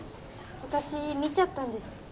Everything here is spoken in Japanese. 私見ちゃったんです。